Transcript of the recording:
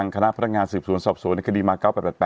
ขณะพงศบคดีมาร์๙๘๘